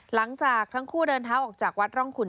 หลังจากทั้งคู่เดินเท้าออกจากวัดร่องขุน